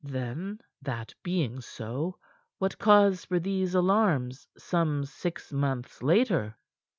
"Then, that being so, what cause for these alarms some six months later?"